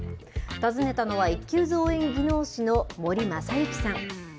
訪ねたのは、１級造園技能士の森政幸さん。